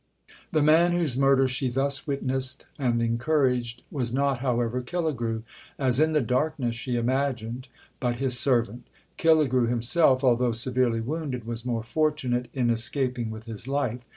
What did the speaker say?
The man whose murder she thus witnessed and encouraged was not, however, Killigrew, as in the darkness she imagined, but his servant. Killigrew himself, although severely wounded, was more fortunate in escaping with his life.